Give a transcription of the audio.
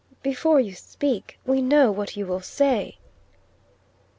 Before you speak, we know what you will say."